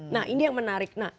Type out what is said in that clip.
nah ini yang menarik